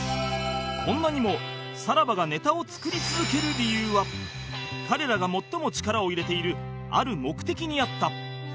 こんなにもさらばがネタを作り続ける理由は彼らが最も力を入れているある目的にあった